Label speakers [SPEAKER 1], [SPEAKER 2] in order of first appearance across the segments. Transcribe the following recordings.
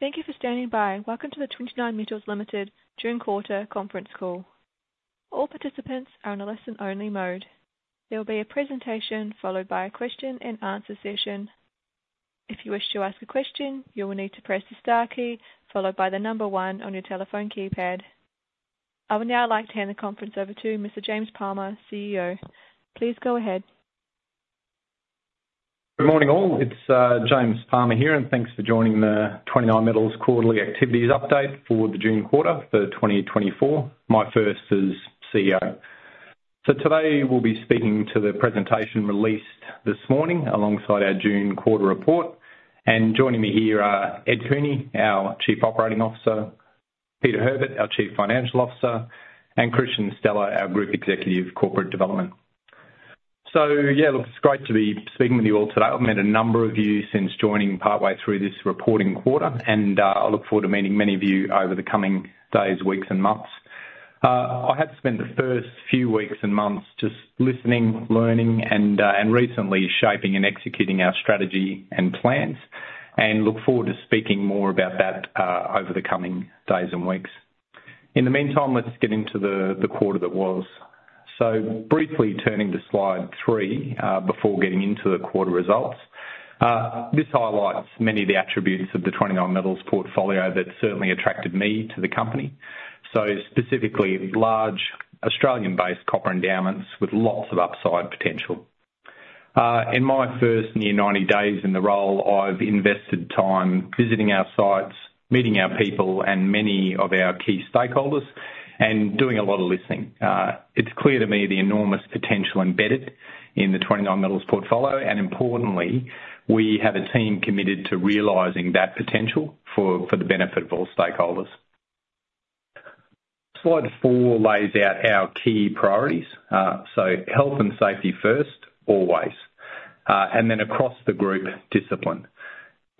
[SPEAKER 1] Thank you for standing by. Welcome to the 29Metals Limited June Quarter conference call. All participants are in a listen-only mode. There will be a presentation followed by a question-and-answer session. If you wish to ask a question, you will need to press the star key followed by the number one on your telephone keypad. I would now like to hand the conference over to Mr. James Palmer, CEO. Please go ahead.
[SPEAKER 2] Good morning, all. It's James Palmer here, and thanks for joining the 29Metals Quarterly Activities Update for the June Quarter for 2024. My first as CEO. So today we'll be speaking to the presentation released this morning alongside our June Quarter report. And joining me here are Ed Cooney, our Chief Operating Officer, Peter Herbert, our Chief Financial Officer, and Kristian Stella, our Group Executive Corporate Development. So yeah, look, it's great to be speaking with you all today. I've met a number of you since joining partway through this reporting quarter, and I look forward to meeting many of you over the coming days, weeks, and months. I had spent the first few weeks and months just listening, learning, and recently shaping and executing our strategy and plans, and look forward to speaking more about that over the coming days and weeks. In the meantime, let's get into the quarter that was. So briefly turning to slide three before getting into the quarter results, this highlights many of the attributes of the 29Metals portfolio that certainly attracted me to the company. So specifically, large Australian-based copper endowments with lots of upside potential. In my first near 90 days in the role, I've invested time visiting our sites, meeting our people, and many of our key stakeholders, and doing a lot of listening. It's clear to me the enormous potential embedded in the 29Metals portfolio, and importantly, we have a team committed to realizing that potential for the benefit of all stakeholders. Slide four lays out our key priorities. So health and safety first, always. And then across the group, discipline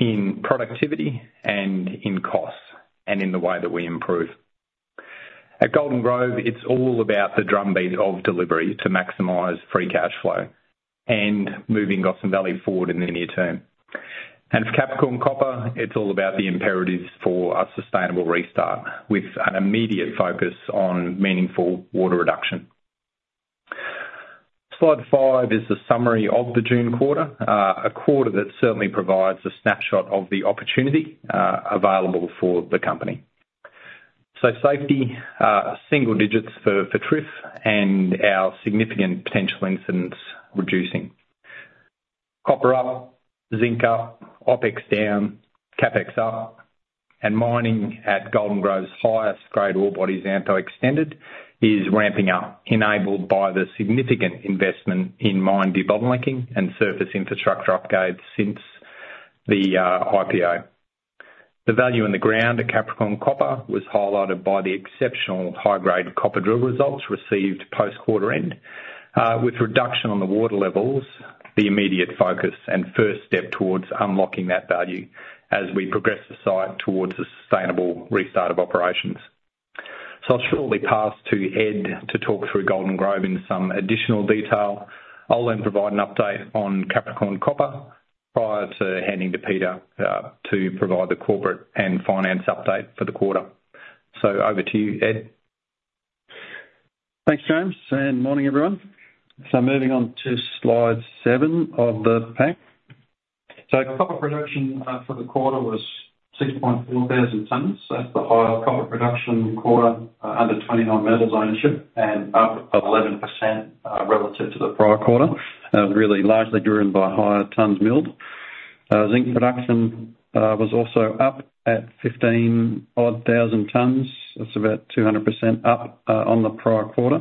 [SPEAKER 2] in productivity and in costs and in the way that we improve. At Golden Grove, it's all about the drumbeat of delivery to maximize free cash flow and moving Gossan Valley forward in the near term. For Capricorn Copper, it's all about the imperatives for a sustainable restart with an immediate focus on meaningful water reduction. Slide five is a summary of the June quarter, a quarter that certainly provides a snapshot of the opportunity available for the company. So safety, single digits for TRIF, and our significant potential incidents reducing. Copper up, zinc up, OpEx down, CapEx up, and mining at Golden Grove's highest grade ore bodies, Xantho Extended, is ramping up, enabled by the significant investment in mine de-bottlenecking and surface infrastructure upgrades since the IPO. The value in the ground at Capricorn Copper was highlighted by the exceptional high-grade copper drill results received post-quarter end, with reduction on the water levels, the immediate focus, and first step towards unlocking that value as we progress the site towards a sustainable restart of operations. So I'll shortly pass to Ed to talk through Golden Grove in some additional detail. I'll then provide an update on Capricorn Copper prior to handing to Peter to provide the corporate and finance update for the quarter. So over to you, Ed.
[SPEAKER 3] Thanks, James, and morning, everyone. So moving on to slide seven of the pack. So copper production for the quarter was 6,400 tons. That's the highest copper production quarter under 29Metals ownership and up 11% relative to the prior quarter, really largely driven by higher tons milled. Zinc production was also up at 15,000-odd tons. That's about 200% up on the prior quarter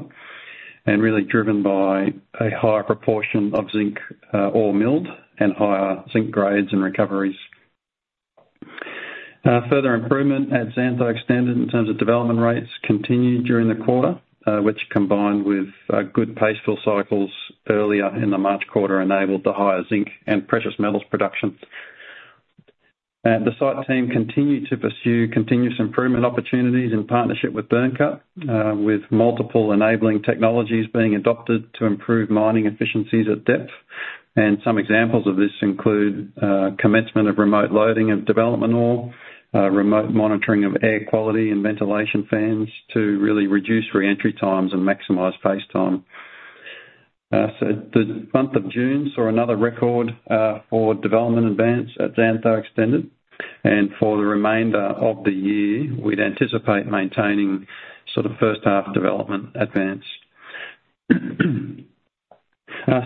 [SPEAKER 3] and really driven by a higher proportion of zinc ore milled and higher zinc grades and recoveries. Further improvement at Xantho Extended in terms of development rates continued during the quarter, which combined with good paste fill cycles earlier in the March quarter enabled the higher zinc and precious metals production. The site team continued to pursue continuous improvement opportunities in partnership with Byrnecut, with multiple enabling technologies being adopted to improve mining efficiencies at depth. Some examples of this include commencement of remote loading of development ore, remote monitoring of air quality and ventilation fans to really reduce re-entry times and maximize paste time. So the month of June saw another record for development advance at Xantho Extended, and for the remainder of the year, we'd anticipate maintaining sort of first-half development advance.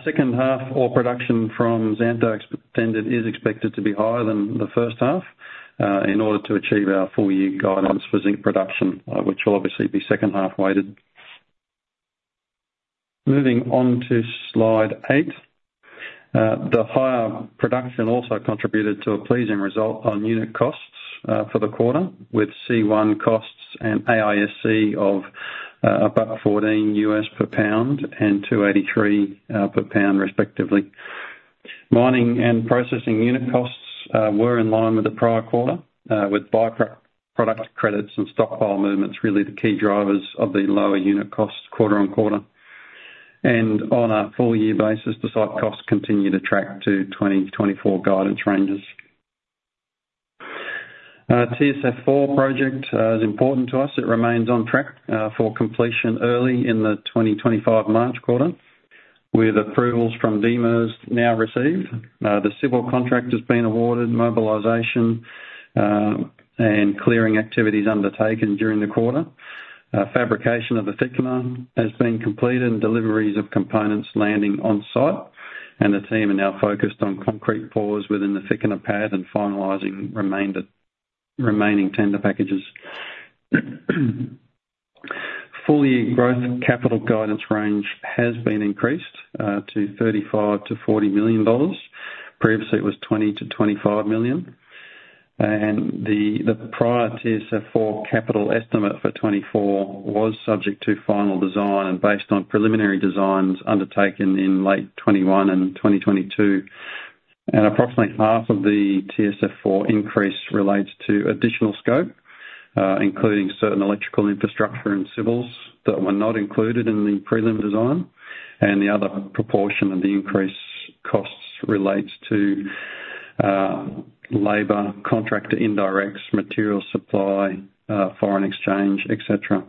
[SPEAKER 3] Second-half ore production from Xantho Extended is expected to be higher than the first half in order to achieve our full-year guidance for zinc production, which will obviously be second-half weighted. Moving on to slide eight, the higher production also contributed to a pleasing result on unit costs for the quarter, with C1 costs and AISC of about $14 per pound and $283 per pound, respectively. Mining and processing unit costs were in line with the prior quarter, with byproduct credits and stockpile movements really the key drivers of the lower unit costs quarter on quarter. On a full-year basis, the site costs continue to track to 2024 guidance ranges. TSF4 project is important to us. It remains on track for completion early in the 2025 March quarter with approvals from DEMIRS now received. The civil contract has been awarded, mobilization, and clearing activities undertaken during the quarter. Fabrication of the thickener has been completed and deliveries of components landing on site, and the team are now focused on concrete pours within the thickener pad and finalizing remaining tender packages. Full-year growth capital guidance range has been increased to $35 million-$40 million. Previously, it was $20 million-$25 million. The prior TSF4 capital estimate for 2024 was subject to final design and based on preliminary designs undertaken in late 2021 and 2022. And approximately half of the TSF4 increase relates to additional scope, including certain electrical infrastructure and civils that were not included in the prelim design. And the other proportion of the increase costs relates to labor, contractor indirects, material supply, foreign exchange, etc.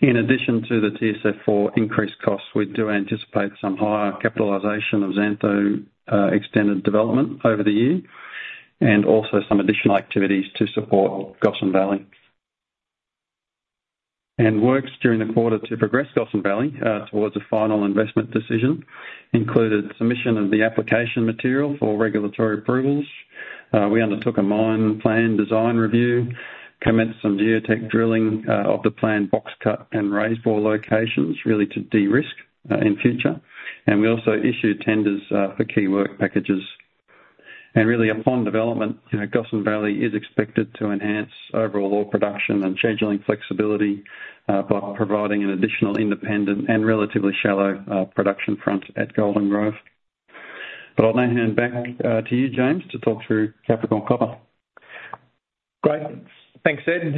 [SPEAKER 3] In addition to the TSF4 increased costs, we do anticipate some higher capitalization of Xantho Extended development over the year and also some additional activities to support Gossan Valley. And works during the quarter to progress Gossan Valley towards a final investment decision included submission of the application material for regulatory approvals. We undertook a mine plan design review, commenced some geotech drilling of the planned box cut and raised bore locations really to de-risk in future. We also issued tenders for key work packages. Really, upon development, Gossan Valley is expected to enhance overall ore production and scheduling flexibility by providing an additional independent and relatively shallow production front at Golden Grove. I'll now hand back to you, James, to talk through Capital & Copper.
[SPEAKER 2] Great. Thanks, Ed.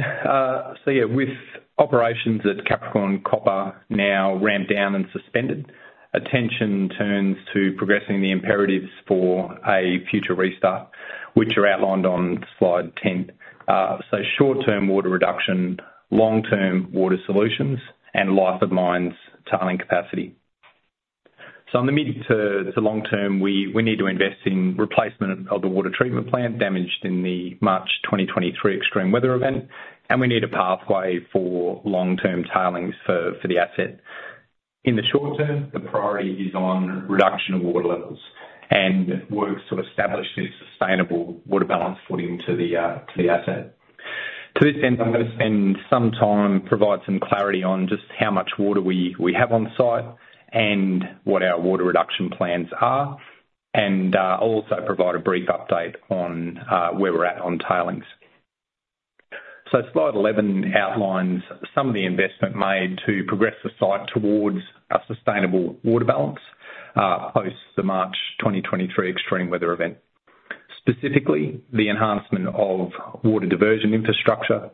[SPEAKER 2] So yeah, with operations at Capricorn Copper now ramped down and suspended, attention turns to progressing the imperatives for a future restart, which are outlined on slide 10. So short-term water reduction, long-term water solutions, and life of mine's tailings capacity. So in the mid to long term, we need to invest in replacement of the water treatment plant damaged in the March 2023 extreme weather event, and we need a pathway for long-term tailings for the asset. In the short term, the priority is on reduction of water levels and work to establish this sustainable water balance footing to the asset. To this end, I'm going to spend some time providing some clarity on just how much water we have on site and what our water reduction plans are, and I'll also provide a brief update on where we're at on tailings. So slide 11 outlines some of the investment made to progress the site towards a sustainable water balance post the March 2023 extreme weather event. Specifically, the enhancement of water diversion infrastructure,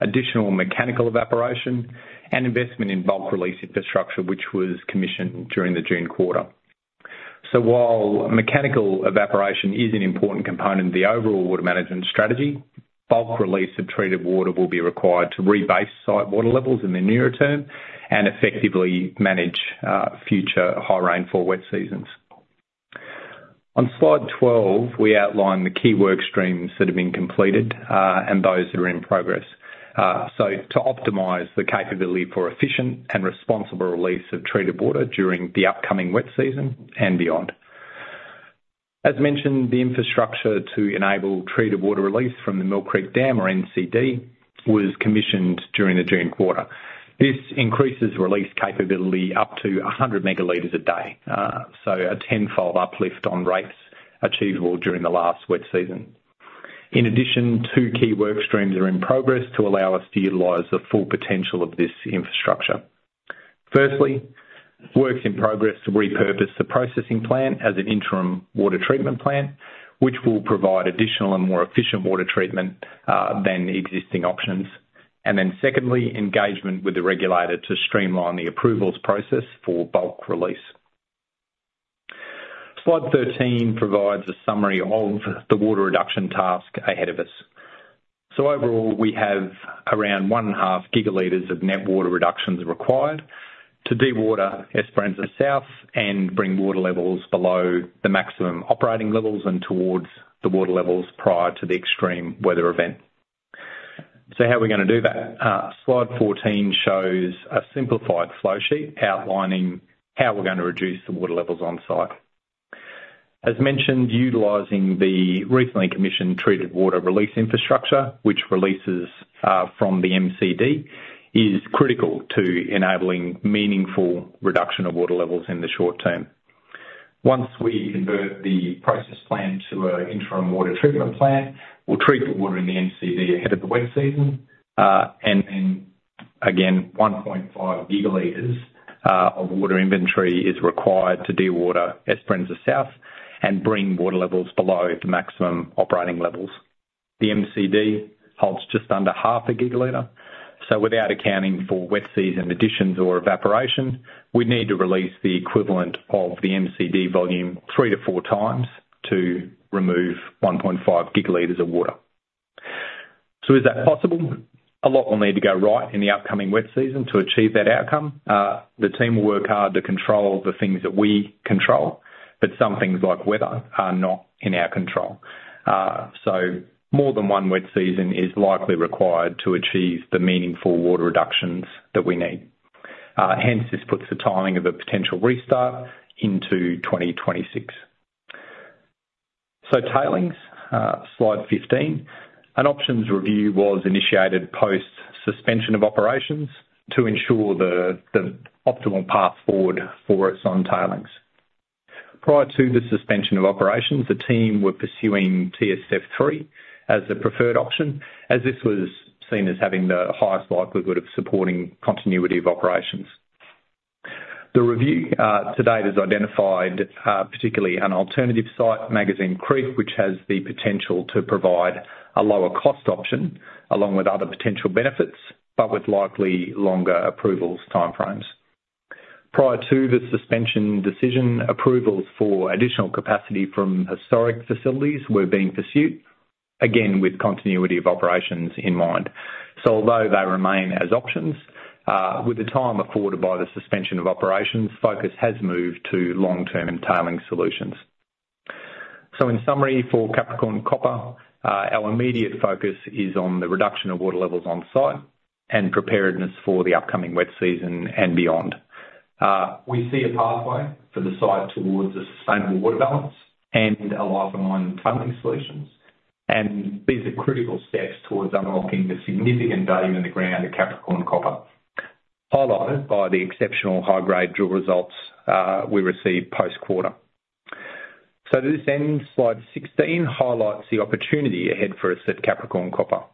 [SPEAKER 2] additional mechanical evaporation, and investment in bulk release infrastructure, which was commissioned during the June quarter. So while mechanical evaporation is an important component of the overall water management strategy, bulk release of treated water will be required to rebase site water levels in the nearer term and effectively manage future high rainfall wet seasons. On slide 12, we outline the key work streams that have been completed and those that are in progress. So to optimize the capability for efficient and responsible release of treated water during the upcoming wet season and beyond. As mentioned, the infrastructure to enable treated water release from the Mill Creek Dam or MCD was commissioned during the June quarter. This increases release capability up to 100 ML a day. So a tenfold uplift on rates achievable during the last wet season. In addition, two key work streams are in progress to allow us to utilize the full potential of this infrastructure. Firstly, works in progress to repurpose the processing plant as an interim water treatment plant, which will provide additional and more efficient water treatment than existing options. And then secondly, engagement with the regulator to streamline the approvals process for bulk release. Slide 13 provides a summary of the water reduction task ahead of us. So overall, we have around 1.5 GL of net water reductions required to dewater Esperanza South and bring water levels below the maximum operating levels and towards the water levels prior to the extreme weather event. So how are we going to do that? Slide 14 shows a simplified flowsheet outlining how we're going to reduce the water levels on site. As mentioned, utilizing the recently commissioned treated water release infrastructure, which releases from the MCD, is critical to enabling meaningful reduction of water levels in the short term. Once we convert the process plant to an interim water treatment plant, we'll treat the water in the MCD ahead of the wet season. And then again, 1.5 GL of water inventory is required to dewater Esperanza South and bring water levels below the maximum operating levels. The MCD holds just under half a gigaliter. So without accounting for wet season additions or evaporation, we need to release the equivalent of the MCD volume three to four times to remove 1.5 GL of water. So is that possible? A lot will need to go right in the upcoming wet season to achieve that outcome. The team will work hard to control the things that we control, but some things like weather are not in our control. So more than one wet season is likely required to achieve the meaningful water reductions that we need. Hence, this puts the timing of a potential restart into 2026. So tailings, slide 15. An options review was initiated post suspension of operations to ensure the optimal path forward for us on tailings. Prior to the suspension of operations, the team were pursuing TSF3 as the preferred option, as this was seen as having the highest likelihood of supporting continuity of operations. The review to date has identified particularly an alternative site, Magazine Creek, which has the potential to provide a lower cost option along with other potential benefits, but with likely longer approvals timeframes. Prior to the suspension decision, approvals for additional capacity from historic facilities were being pursued, again with continuity of operations in mind. Although they remain as options, with the time afforded by the suspension of operations, focus has moved to long-term tailings solutions. In summary for Capricorn Copper, our immediate focus is on the reduction of water levels on site and preparedness for the upcoming wet season and beyond. We see a pathway for the site towards a sustainable water balance and a life of mine tailings solutions. These are critical steps towards unlocking the significant value in the ground at Capricorn Copper, highlighted by the exceptional high-grade drill results we received post quarter. To this end, slide 16 highlights the opportunity ahead for us at Capricorn Copper.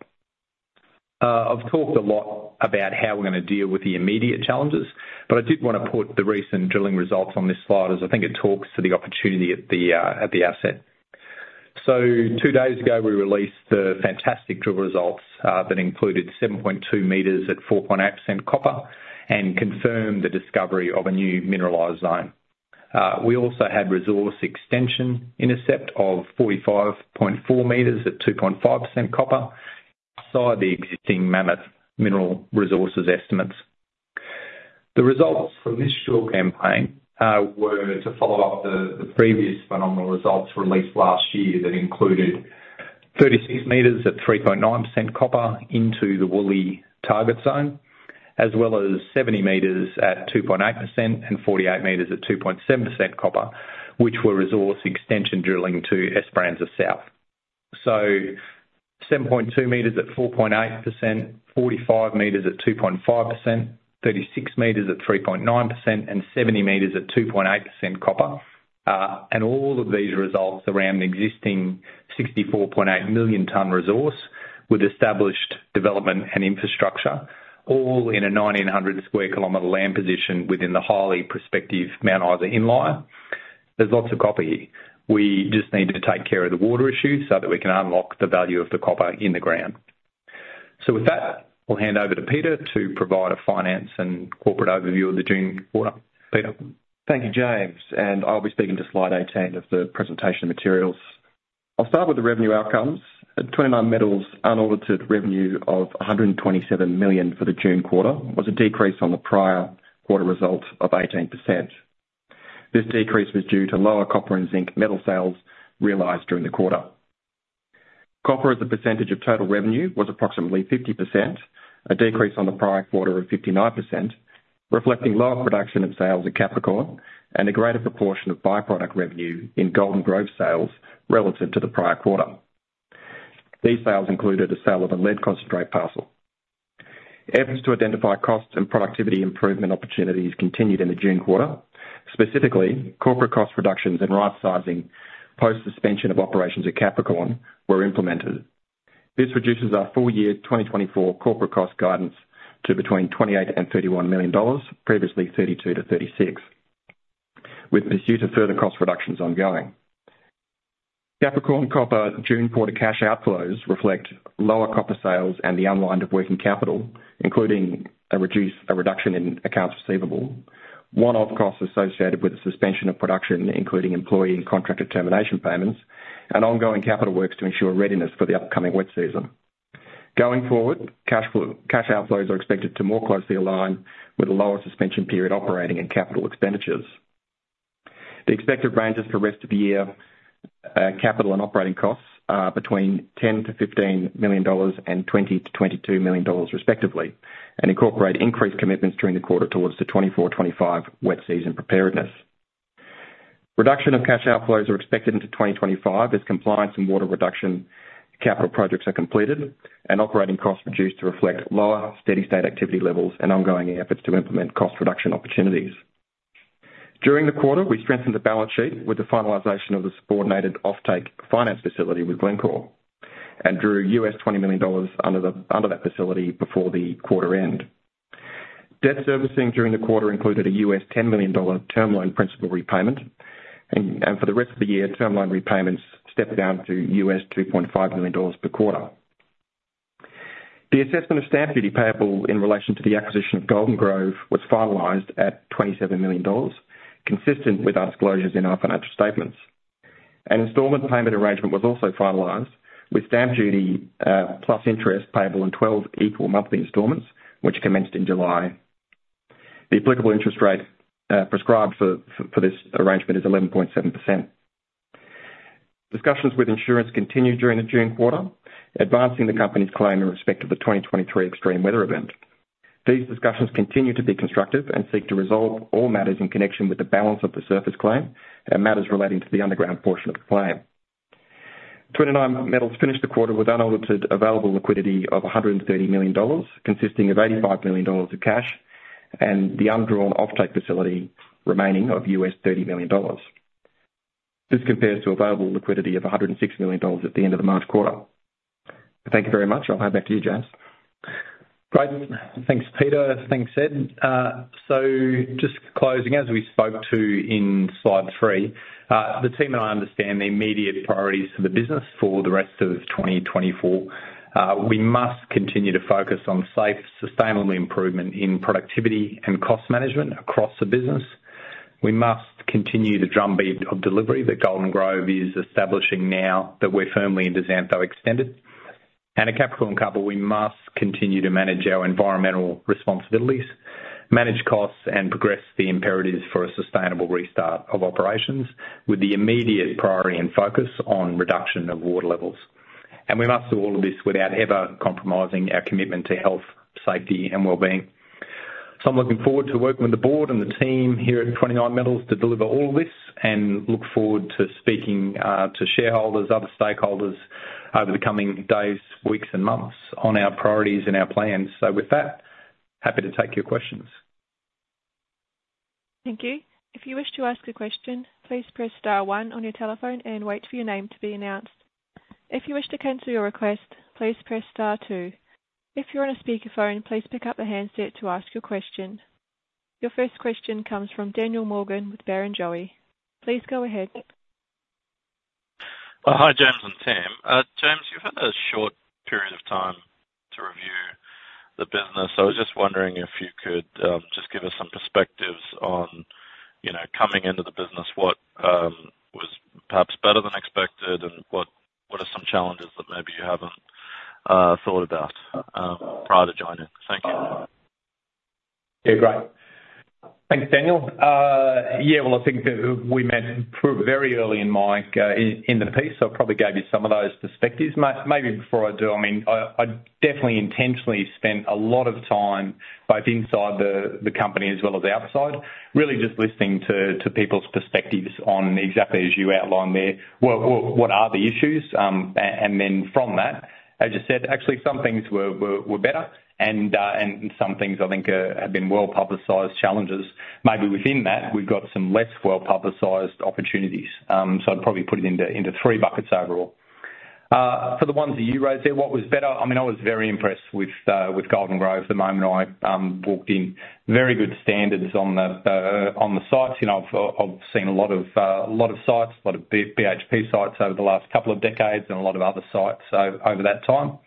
[SPEAKER 2] I've talked a lot about how we're going to deal with the immediate challenges, but I did want to put the recent drilling results on this slide as I think it talks to the opportunity at the asset. So two days ago, we released the fantastic drill results that included 7.2 m at 4.8% copper and confirmed the discovery of a new mineralized zone. We also had resource extension intercept of 45.4 m at 2.5% copper outside the existing mammoth mineral resources estimates. The results from this drill campaign were to follow up the previous phenomenal results released last year that included 36 m at 3.9% copper into the Woolly target zone, as well as 70 m at 2.8% and 48 m at 2.7% copper, which were resource extension drilling to Esperanza South. So 7.2 m at 4.8%, 45 m at 2.5%, 36 m at 3.9%, and 70 m at 2.8% copper. All of these results around the existing 64.8 million ton resource with established development and infrastructure, all in a 1,900 sq km land position within the highly prospective Mount Isa Inlier. There's lots of copper here. We just need to take care of the water issue so that we can unlock the value of the copper in the ground. With that, I'll hand over to Peter to provide a finance and corporate overview of the June quarter. Peter.
[SPEAKER 4] Thank you, James. I'll be speaking to slide 18 of the presentation materials. I'll start with the revenue outcomes. At 29Metals, unaudited revenue of $127 million for the June quarter was a decrease on the prior quarter result of 18%. This decrease was due to lower copper and zinc metal sales realized during the quarter. Copper as a percentage of total revenue was approximately 50%, a decrease on the prior quarter of 59%, reflecting lower production and sales at Capricorn Copper and a greater proportion of byproduct revenue in Golden Grove sales relative to the prior quarter. These sales included a sale of a lead concentrate parcel. Efforts to identify costs and productivity improvement opportunities continued in the June quarter. Specifically, corporate cost reductions and right-sizing post suspension of operations at Capricorn Copper were implemented. This reduces our full year 2024 corporate cost guidance to between $28 million and $31 million, previously $32 million-$36 million, with pursuit of further cost reductions ongoing. Capricorn's June quarter cash outflows reflect lower copper sales and the unwind of working capital, including a reduction in accounts receivable, one-off costs associated with the suspension of production, including employee and contractor termination payments, and ongoing capital works to ensure readiness for the upcoming wet season. Going forward, cash outflows are expected to more closely align with the lower suspension period operating and capital expenditures. The expected ranges for the rest of the year capital and operating costs are between $10 million-$15 million and $20 million-$22 million respectively, and incorporate increased commitments during the quarter towards the 2024-2025 wet season preparedness. Reduction of cash outflows are expected into 2025 as compliance and water reduction capital projects are completed and operating costs reduced to reflect lower steady state activity levels and ongoing efforts to implement cost reduction opportunities. During the quarter, we strengthened the balance sheet with the finalization of the subordinated offtake finance facility with Glencore and drew $20 million under that facility before the quarter end. Debt servicing during the quarter included a $10 million term loan principal repayment, and for the rest of the year, term loan repayments stepped down to $2.5 million per quarter. The assessment of stamp duty payable in relation to the acquisition of Golden Grove was finalized at $27 million, consistent with our disclosures in our financial statements. An installment payment arrangement was also finalized with stamp duty plus interest payable in 12 equal monthly installments, which commenced in July. The applicable interest rate prescribed for this arrangement is 11.7%. Discussions with insurance continued during the June quarter, advancing the company's claim in respect of the 2023 extreme weather event. These discussions continue to be constructive and seek to resolve all matters in connection with the balance of the surface claim and matters relating to the underground portion of the claim. 29Metals finished the quarter with unaudited available liquidity of $130 million, consisting of $85 million of cash and the undrawn offtake facility remaining of $30 million. This compares to available liquidity of $106 million at the end of the March quarter. Thank you very much. I'll hand back to you, James.
[SPEAKER 2] Great. Thanks, Peter. Thanks, Ed. So just closing, as we spoke to in slide three, the team and I understand the immediate priorities for the business for the rest of 2024. We must continue to focus on safe, sustainable improvement in productivity and cost management across the business. We must continue the drumbeat of delivery that Golden Grove is establishing now that we're firmly into Xantho Extended. And at Capricorn Copper, we must continue to manage our environmental responsibilities, manage costs, and progress the imperatives for a sustainable restart of operations with the immediate priority and focus on reduction of water levels. And we must do all of this without ever compromising our commitment to health, safety, and well-being. So I'm looking forward to working with the board and the team here at 29Metals to deliver all of this and look forward to speaking to shareholders, other stakeholders over the coming days, weeks, and months on our priorities and our plans. So with that, happy to take your questions.
[SPEAKER 1] Thank you. If you wish to ask a question, please press star one on your telephone and wait for your name to be announced. If you wish to cancel your request, please press star two. If you're on a speakerphone, please pick up the handset to ask your question. Your first question comes from Daniel Morgan with Barrenjoey. Please go ahead.
[SPEAKER 5] Hi, James and Tim. James, you've had a short period of time to review the business. I was just wondering if you could just give us some perspectives on coming into the business, what was perhaps better than expected, and what are some challenges that maybe you haven't thought about prior to joining? Thank you.
[SPEAKER 2] Yeah, great. Thanks, Daniel. Yeah, well, I think that we met very early in the piece, so I probably gave you some of those perspectives. Maybe before I do, I mean, I definitely intentionally spent a lot of time both inside the company as well as outside, really just listening to people's perspectives on exactly as you outlined there, what are the issues. And then from that, as you said, actually some things were better and some things I think have been well-publicized challenges. Maybe within that, we've got some less well-publicized opportunities. So I'd probably put it into three buckets overall. For the ones that you raised there, what was better? I mean, I was very impressed with Golden Grove the moment I walked in. Very good standards on the sites. I've seen a lot of sites, a lot of BHP sites over the last couple of decades and a lot of other sites over that time.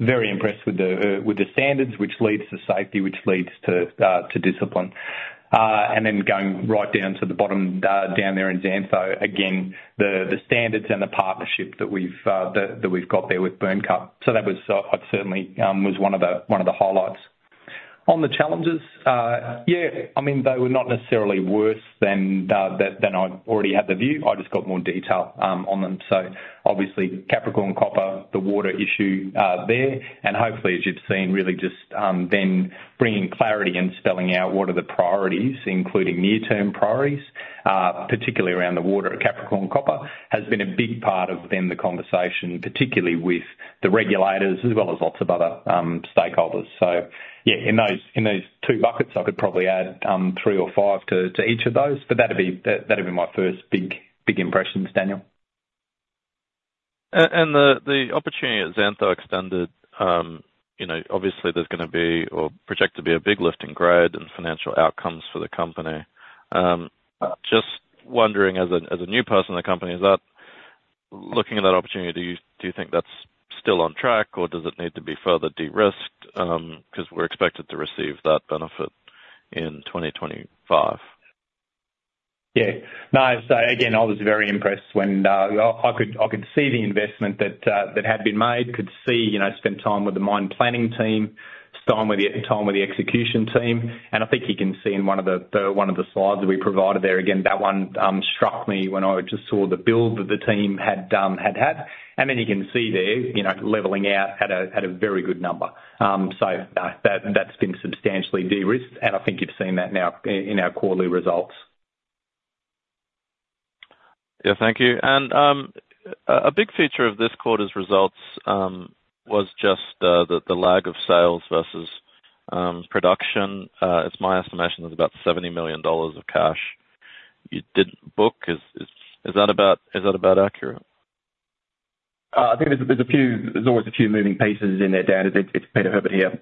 [SPEAKER 2] Very impressed with the standards, which leads to safety, which leads to discipline. And then going right down to the bottom down there in Xantho, again, the standards and the partnership that we've got there with Byrnecut So that certainly was one of the highlights. On the challenges, yeah, I mean, they were not necessarily worse than I already had the view. I just got more detail on them. So obviously, Capricorn Copper, the water issue there, and hopefully, as you've seen, really just then bringing clarity and spelling out what are the priorities, including near-term priorities, particularly around the water at Capricorn Copper, has been a big part of then the conversation, particularly with the regulators as well as lots of other stakeholders. So yeah, in those two buckets, I could probably add three or five to each of those. But that'd be my first big impressions, Daniel.
[SPEAKER 5] The opportunity at Xantho Extended, obviously, there's going to be or projected to be a big lift in grade and financial outcomes for the company. Just wondering, as a new person in the company, looking at that opportunity, do you think that's still on track or does it need to be further de-risked because we're expected to receive that benefit in 2025?
[SPEAKER 2] Yeah. No, so again, I was very impressed when I could see the investment that had been made, could see spend time with the mine planning team, time with the execution team. And I think you can see in one of the slides that we provided there, again, that one struck me when I just saw the build that the team had had. And then you can see there leveling out at a very good number. So that's been substantially de-risked. And I think you've seen that now in our quarterly results.
[SPEAKER 5] Yeah, thank you. And a big feature of this quarter's results was just the lag of sales versus production. It's my estimation there's about $70 million of cash you didn't book. Is that about accurate?
[SPEAKER 4] I think there's always a few moving pieces in there, Daniel. It's Peter Herbert here.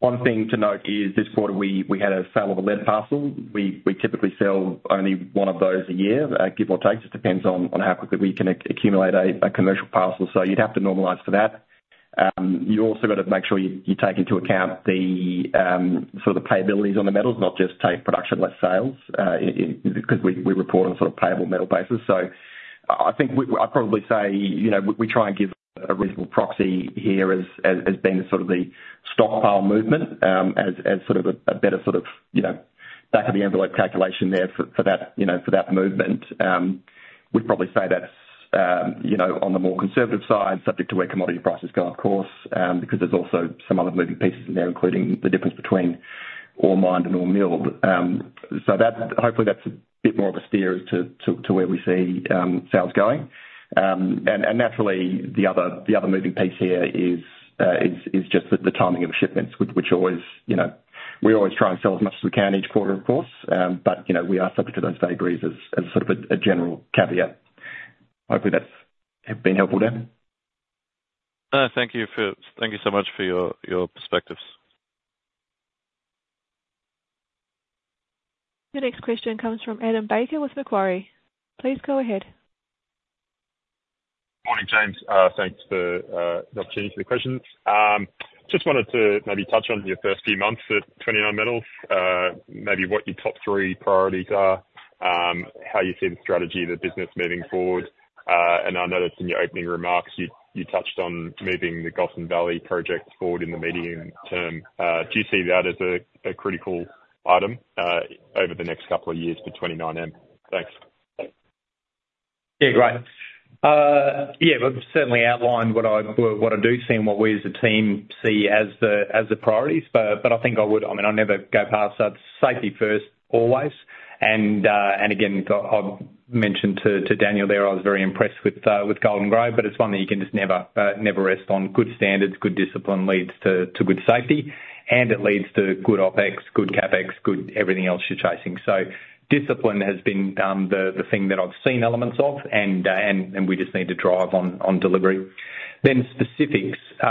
[SPEAKER 4] One thing to note is this quarter, we had a sale of a lead parcel. We typically sell only one of those a year, give or take. Just depends on how quickly we can accumulate a commercial parcel. So you'd have to normalize for that. You also got to make sure you take into account the sort of the payabilities on the metals, not just take production, less sales, because we report on sort of payable metal basis. So I think I'd probably say we try and give a reasonable proxy here as being sort of the stockpile movement as sort of a better sort of back of the envelope calculation there for that movement. We'd probably say that's on the more conservative side, subject to where commodity prices go, of course, because there's also some other moving pieces in there, including the difference between ore mined and ore milled. So hopefully that's a bit more of a steer as to where we see sales going. And naturally, the other moving piece here is just the timing of shipments, which we always try and sell as much as we can each quarter, of course. But we are subject to those vagaries as sort of a general caveat. Hopefully that's been helpful there.
[SPEAKER 5] Thank you so much for your perspectives.
[SPEAKER 1] The next question comes from Adam Baker with Macquarie. Please go ahead.
[SPEAKER 6] Morning, James. Thanks for the opportunity for the questions. Just wanted to maybe touch on your first few months at 29Metals, maybe what your top three priorities are, how you see the strategy of the business moving forward. I know that in your opening remarks, you touched on moving the Gossan Valley project forward in the medium term. Do you see that as a critical item over the next couple of years for 29M? Thanks.
[SPEAKER 2] Yeah, great. Yeah, we've certainly outlined what I do see and what we as a team see as the priorities. But I think I would, I mean, I never go past that safety first always. And again, I mentioned to Daniel there I was very impressed with Golden Grove, but it's one that you can just never rest on. Good standards, good discipline leads to good safety, and it leads to good OpEx, good CapEx, good everything else you're chasing. So discipline has been the thing that I've seen elements of, and we just need to drive on delivery. Then specifics. So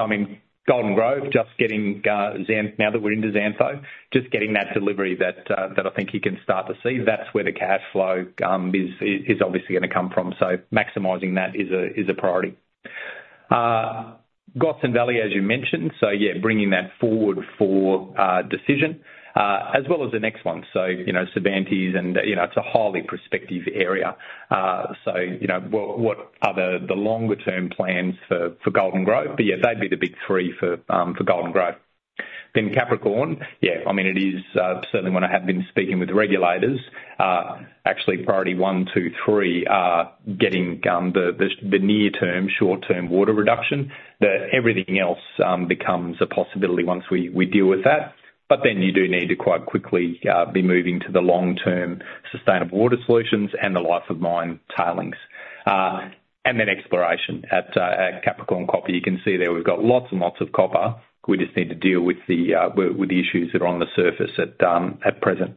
[SPEAKER 2] I mean, Golden Grove, just getting now that we're into Xantho, just getting that delivery that I think you can start to see, that's where the cash flow is obviously going to come from. So maximizing that is a priority. Gossan Valley, as you mentioned. So yeah, bringing that forward for decision, as well as the next one. So Cervantes, and it's a highly prospective area. So what are the longer-term plans for Golden Grove? But yeah, they'd be the big three for Golden Grove. Then Capricorn, yeah, I mean, it is certainly when I have been speaking with regulators, actually priority one, two, three are getting the near-term, short-term water reduction. Everything else becomes a possibility once we deal with that. But then you do need to quite quickly be moving to the long-term sustainable water solutions and the life of mine tailings. And then exploration. At Capricorn Copper, you can see there we've got lots and lots of copper. We just need to deal with the issues that are on the surface at present.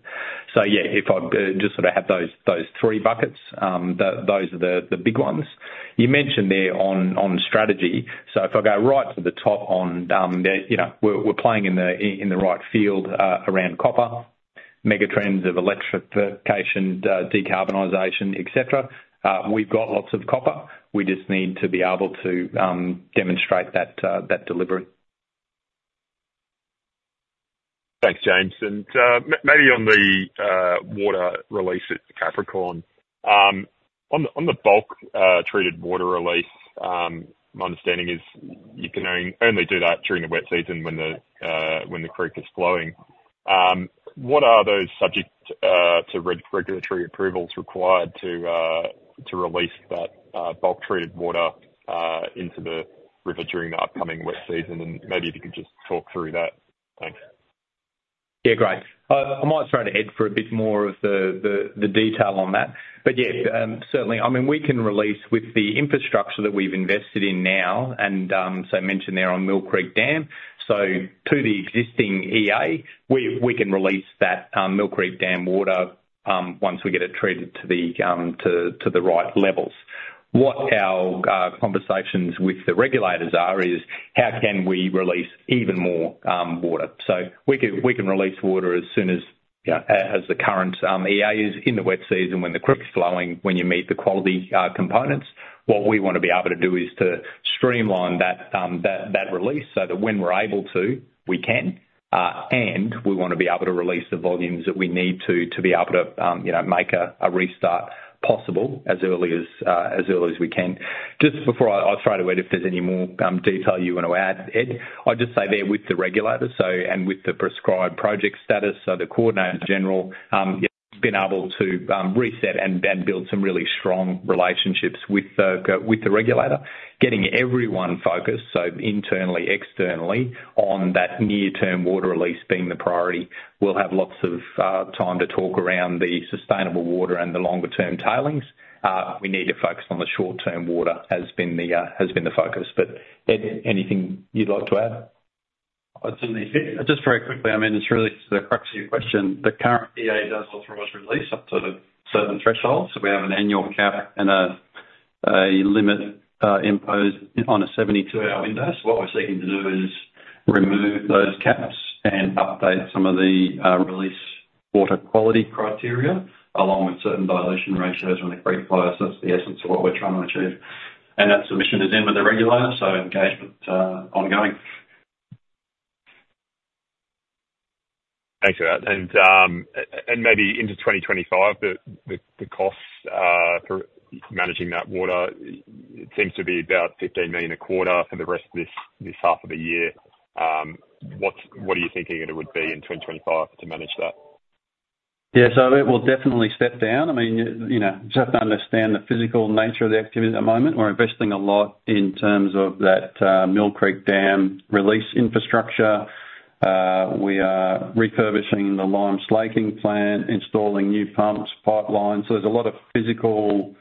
[SPEAKER 2] So yeah, if I just sort of have those three buckets, those are the big ones. You mentioned there on strategy. So if I go right to the top on, we're playing in the right field around copper, megatrends of electrification, decarbonization, etc. We've got lots of copper. We just need to be able to demonstrate that delivery.
[SPEAKER 6] Thanks, James. And maybe on the water release at Capricorn, on the bulk treated water release, my understanding is you can only do that during the wet season when the creek is flowing. What are those subject to regulatory approvals required to release that bulk treated water into the river during the upcoming wet season? And maybe if you could just talk through that. Thanks.
[SPEAKER 2] Yeah, great. I might throw to Ed for a bit more of the detail on that. But yeah, certainly, I mean, we can release with the infrastructure that we've invested in now. And so I mentioned there on Mill Creek Dam. So to the existing EA, we can release that Mill Creek Dam water once we get it treated to the right levels. What our conversations with the regulators are is how can we release even more water? So we can release water as soon as the current EA is in the wet season, when the creek's flowing, when you meet the quality components. What we want to be able to do is to streamline that release so that when we're able to, we can. We want to be able to release the volumes that we need to be able to make a restart possible as early as we can. Just before I throw to Ed, if there's any more detail you want to add, Ed, I'll just say we're there with the regulator and with the prescribed project status, so the coordinator general, being able to reset and build some really strong relationships with the regulator, getting everyone focused, so internally, externally, on that near-term water release being the priority. We'll have lots of time to talk around the sustainable water and the longer-term tailings. We need to focus on the short-term water has been the focus. Ed, anything you'd like to add?
[SPEAKER 3] I'd certainly fit. Just very quickly, I mean, it's really a crux of your question. The current EA does authorize release up to a certain threshold. So we have an annual cap and a limit imposed on a 72-hour window. So what we're seeking to do is remove those caps and update some of the release water quality criteria along with certain dilution ratios when the Creek flows. That's the essence of what we're trying to achieve. And that submission is in with the regulator, so engagement ongoing.
[SPEAKER 6] Thanks for that. And maybe into 2025, the costs for managing that water seems to be about $15 million a quarter for the rest of this half of the year. What are you thinking it would be in 2025 to manage that?
[SPEAKER 2] Yeah, so it will definitely step down. I mean, just have to understand the physical nature of the activity at the moment. We're investing a lot in terms of that Mill Creek Dam release infrastructure. We are refurbishing the lime slaking plant, installing new pumps, pipelines. So there's a lot of physical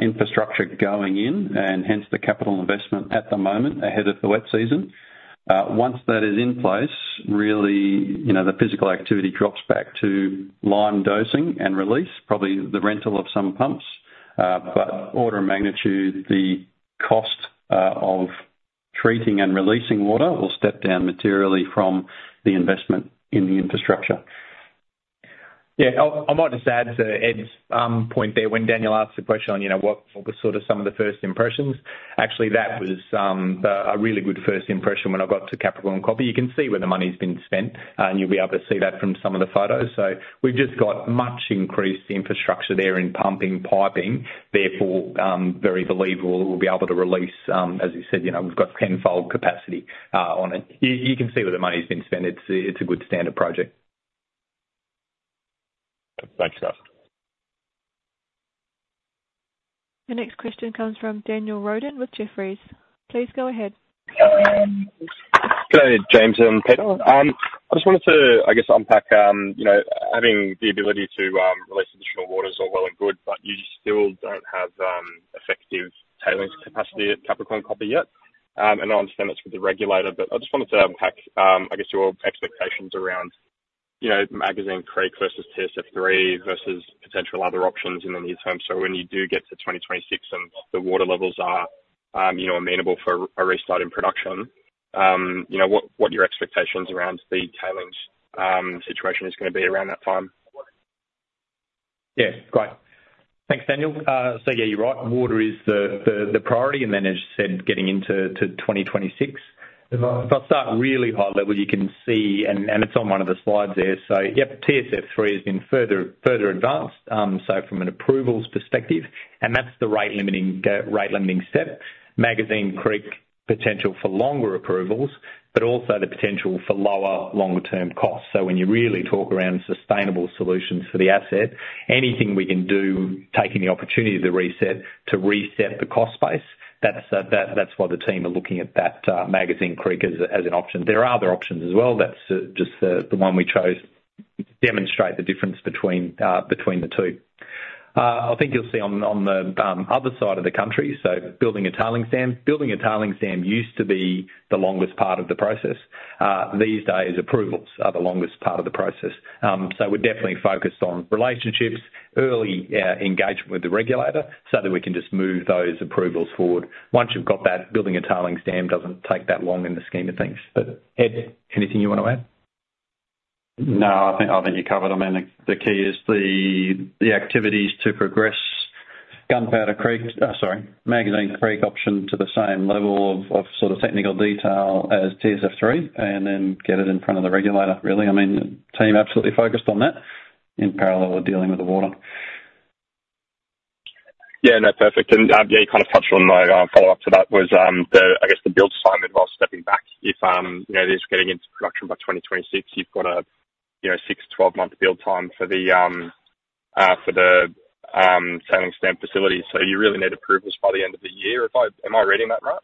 [SPEAKER 2] infrastructure going in, and hence the capital investment at the moment ahead of the wet season. Once that is in place, really the physical activity drops back to lime dosing and release, probably the rental of some pumps. But order of magnitude, the cost of treating and releasing water will step down materially from the investment in the infrastructure. Yeah, I might just add to Ed's point there when Daniel asked the question on what were sort of some of the first impressions. Actually, that was a really good first impression when I got to Capricorn Copper. You can see where the money's been spent, and you'll be able to see that from some of the photos. So we've just got much increased infrastructure there in pumping, piping. Therefore, very believable that we'll be able to release, as you said, we've got tenfold capacity on it. You can see where the money's been spent. It's a good standard project.
[SPEAKER 6] Thanks, guys.
[SPEAKER 1] The next question comes from Daniel Roden with Jefferies. Please go ahead.
[SPEAKER 7] Hello, James and Peter. I just wanted to, I guess, unpack having the ability to release additional water is all well and good, but you still don't have effective tailings capacity at Capricorn Copper yet. I understand that's with the regulator, but I just wanted to unpack, I guess, your expectations around Magazine Creek versus TSF3 versus potential other options in the near term. When you do get to 2026 and the water levels are amenable for a restart in production, what your expectations around the tailings situation is going to be around that time?
[SPEAKER 2] Yeah, great. Thanks, Daniel. So yeah, you're right. Water is the priority. And then, as you said, getting into 2026. If I start really high level, you can see, and it's on one of the slides there, so yep, TSF3 has been further advanced, so from an approvals perspective. And that's the rate limiting step. Magazine Creek potential for longer approvals, but also the potential for lower longer-term costs. So when you really talk around sustainable solutions for the asset, anything we can do, taking the opportunity to reset the cost space, that's why the team are looking at that Magazine Creek as an option. There are other options as well. That's just the one we chose to demonstrate the difference between the two. I think you'll see on the other side of the country, so building a tailings dam. Building a tailings dam used to be the longest part of the process. These days, approvals are the longest part of the process. So we're definitely focused on relationships, early engagement with the regulator so that we can just move those approvals forward. Once you've got that, building a tailings dam doesn't take that long in the scheme of things. But Ed, anything you want to add?
[SPEAKER 3] No, I think you covered them. And the key is the activities to progress Gunpowder Creek sorry, Magazine Creek option to the same level of sort of technical detail as TSF3 and then get it in front of the regulator, really. I mean, team absolutely focused on that in parallel with dealing with the water.
[SPEAKER 7] Yeah, no, perfect. And yeah, you kind of touched on my follow-up to that was, I guess, the build time involved stepping back. If it's getting into production by 2026, you've got a six-12-month build time for the tailings dam facility. So you really need approvals by the end of the year. Am I reading that right?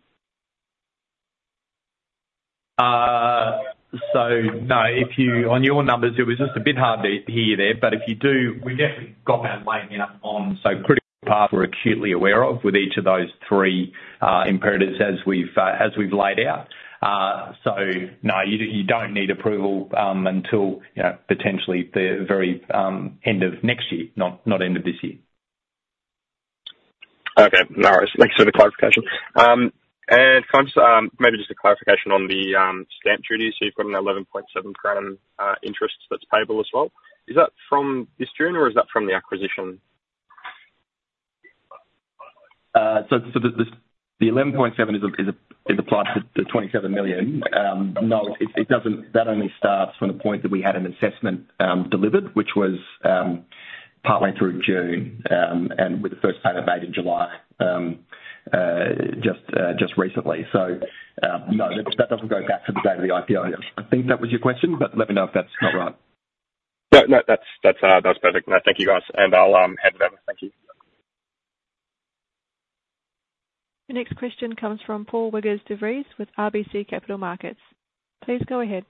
[SPEAKER 2] So no, on your numbers, it was just a bit hard to hear you there. But if you do, we definitely got that laying out on. So, critical path we're acutely aware of with each of those three imperatives as we've laid out. So no, you don't need approval until potentially the very end of next year, not end of this year.
[SPEAKER 7] Okay. No worries. Thanks for the clarification. Maybe just a clarification on the stamp duty. So you've got $11,700 interest that's payable as well. Is that from this June, or is that from the acquisition?
[SPEAKER 2] So the $11.7 is applied to the $27 million. No, that only starts from the point that we had an assessment delivered, which was partway through June and with the first payment made in July just recently. So no, that doesn't go back to the date of the IPO. I think that was your question, but let me know if that's not right.
[SPEAKER 7] No, no, that's perfect. No, thank you, guys. And I'll hand it over. Thank you.
[SPEAKER 1] The next question comes from Paul Wiggers De Vries with RBC Capital Markets. Please go ahead.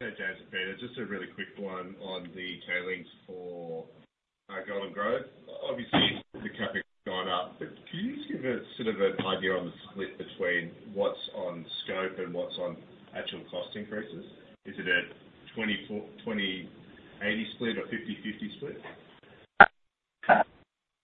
[SPEAKER 5] Hey, James and Peter. Just a really quick one on the tailings for Golden Grove. Obviously, the cap has gone up. But can you just give us sort of an idea on the split between what's on scope and what's on actual cost increases? Is it a 20/80 split or 50/50 split?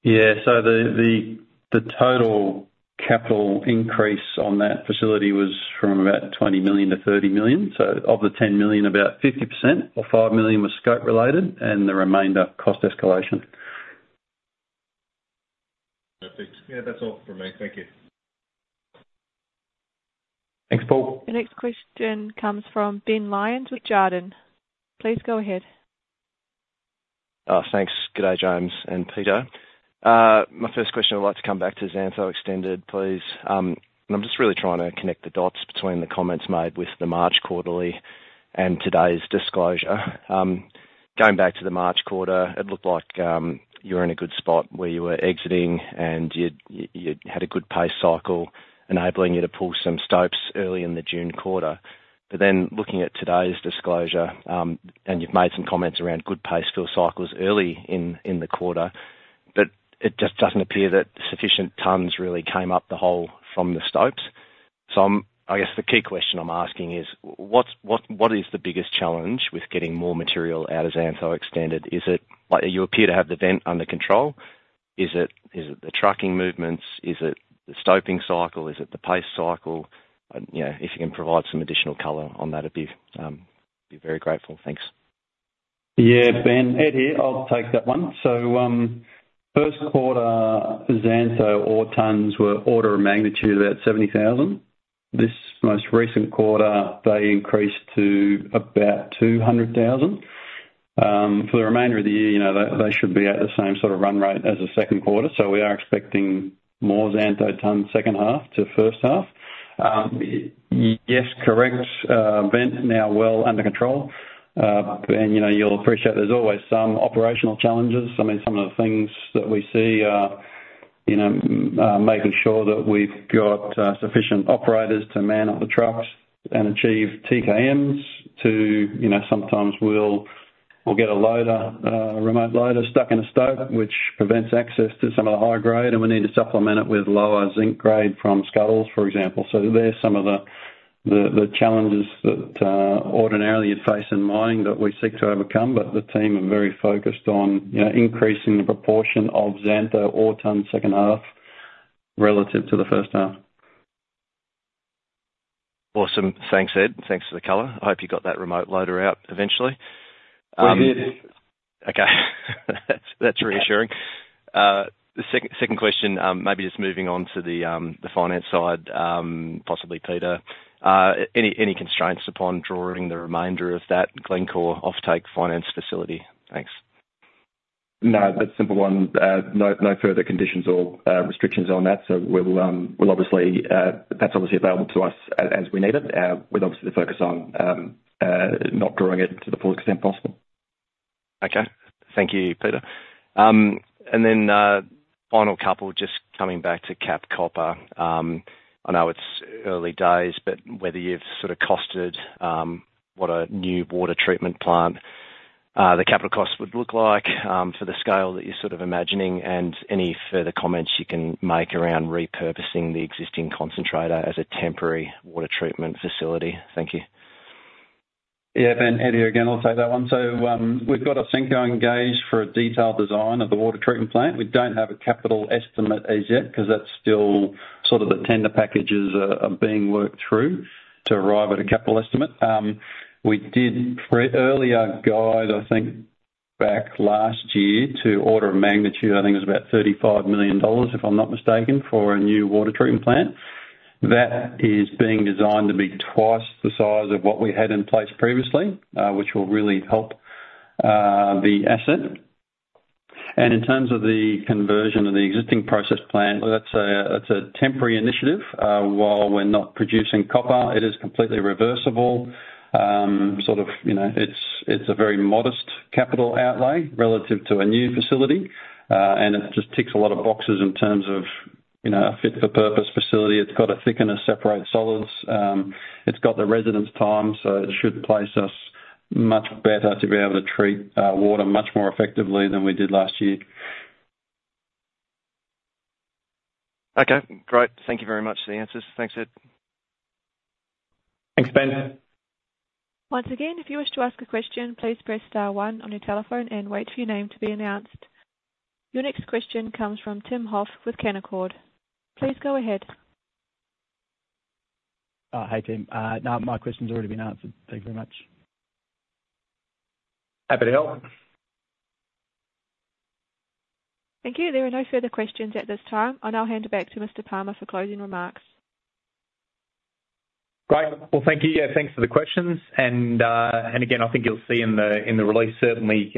[SPEAKER 4] Yeah. The total capital increase on that facility was from about $20 million-$30 million. Of the $10 million, about 50% or $5 million was scope-related, and the remainder cost escalation.
[SPEAKER 8] Perfect. Yeah, that's all from me. Thank you.
[SPEAKER 2] Thanks, Paul.
[SPEAKER 1] The next question comes from Ben Lyons with Jarden. Please go ahead.
[SPEAKER 5] Thanks. G'day, James and Peter. My first question I'd like to come back to Xantho Extended, please. I'm just really trying to connect the dots between the comments made with the March quarterly and today's disclosure. Going back to the March quarter, it looked like you were in a good spot where you were exiting, and you had a good pace cycle enabling you to pull some stopes early in the June quarter. Then looking at today's disclosure, you've made some comments around good pace fill cycles early in the quarter, but it just doesn't appear that sufficient tons really came up the hole from the stopes. I guess the key question I'm asking is, what is the biggest challenge with getting more material out of Xantho Extended? Is it like you appear to have the vent under control? Is it the trucking movements? Is it the stoping cycle? Is it the pace cycle? If you can provide some additional color on that, I'd be very grateful. Thanks.
[SPEAKER 3] Yeah, Ben, Ed here. I'll take that one. So first quarter, Xantho ore tons were order of magnitude about 70,000. This most recent quarter, they increased to about 200,000. For the remainder of the year, they should be at the same sort of run rate as the second quarter. So we are expecting more Xantho tons second half to first half. Yes, correct. Vent now well under control. And you'll appreciate there's always some operational challenges. I mean, some of the things that we see are making sure that we've got sufficient operators to man up the trucks and achieve TKMs too. Sometimes we'll get a remote loader stuck in a stope, which prevents access to some of the high grade, and we need to supplement it with lower zinc grade from Scuddles, for example. So there's some of the challenges that ordinarily you'd face in mining that we seek to overcome. But the team are very focused on increasing the proportion of Xantho ore tons second half relative to the first half.
[SPEAKER 9] Awesome. Thanks, Ed. Thanks for the color. I hope you got that remote loader out eventually.
[SPEAKER 2] I did.
[SPEAKER 3] Okay. That's reassuring. Second question, maybe just moving on to the finance side, possibly Peter. Any constraints upon drawing the remainder of that Glencore off-take finance facility? Thanks. No, that's a simple one. No further conditions or restrictions on that. So that's obviously available to us as we need it, with obviously the focus on not drawing it to the fullest extent possible.
[SPEAKER 9] Okay. Thank you, Peter. And then final couple, just coming back to Capricorn Copper. I know it's early days, but whether you've sort of costed what a new water treatment plant the capital cost would look like for the scale that you're sort of imagining, and any further comments you can make around repurposing the existing concentrator as a temporary water treatment facility. Thank you.
[SPEAKER 3] Yeah, Ben, Ed here. Again, I'll take that one. So we've got Simco engaged for a detailed design of the water treatment plant. We don't have a capital estimate as yet because that's still sort of the tender packages are being worked through to arrive at a capital estimate. We did earlier guide, I think, back last year to order of magnitude, I think it was about $35 million, if I'm not mistaken, for a new water treatment plant. That is being designed to be twice the size of what we had in place previously, which will really help the asset. And in terms of the conversion of the existing process plant, that's a temporary initiative. While we're not producing copper, it is completely reversible. Sort of, it's a very modest capital outlay relative to a new facility, and it just ticks a lot of boxes in terms of a fit-for-purpose facility. It's got a thickener, separate solids. It's got the residence time, so it should place us much better to be able to treat water much more effectively than we did last year.
[SPEAKER 9] Okay. Great. Thank you very much for the answers. Thanks, Ed.
[SPEAKER 2] Thanks, Ben.
[SPEAKER 1] Once again, if you wish to ask a question, please press star one on your telephone and wait for your name to be announced. Your next question comes from Tim Hoff with Canaccord Genuity. Please go ahead.
[SPEAKER 10] Hi, Tim. No, my question's already been answered. Thank you very much.
[SPEAKER 5] Happy to help.
[SPEAKER 1] Thank you. There are no further questions at this time. I'll now hand it back to Mr. Palmer for closing remarks.
[SPEAKER 2] Great. Well, thank you. Yeah, thanks for the questions. And again, I think you'll see in the release certainly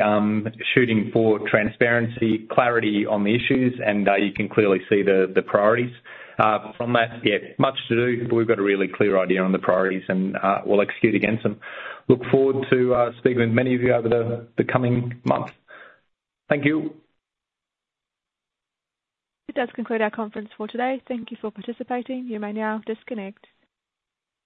[SPEAKER 2] shooting for transparency, clarity on the issues, and you can clearly see the priorities. From that, yeah, much to do, but we've got a really clear idea on the priorities, and we'll execute against them. Look forward to speaking with many of you over the coming month. Thank you.
[SPEAKER 1] It does conclude our conference for today. Thank you for participating. You may now disconnect.